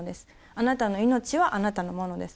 あなたの命はあなたのものです。